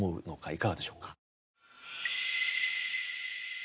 いかがでしょうか？